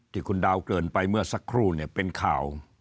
ที่คุณดาวเกินไปเมื่อสักครู่เนี่ยเป็นข่าว